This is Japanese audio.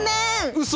うそ！